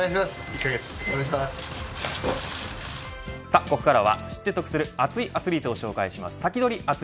ここからは知って得する熱いアストリートを紹介するサキドリ！